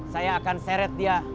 saya akan seret dia